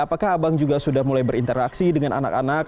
apakah abang juga sudah mulai berinteraksi dengan anak anak